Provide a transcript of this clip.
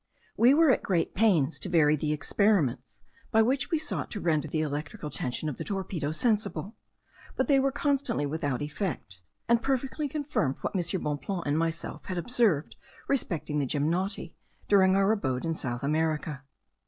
We were at great pains to vary the experiments by which we sought to render the electrical tension of the torpedo sensible; but they were constantly without effect, and perfectly confirmed what M. Bonpland and myself had observed respecting the gymnoti, during our abode in South America.